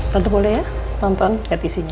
tante boleh ya nonton lihat isinya